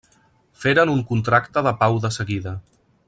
Feren un contracte de pau de seguida.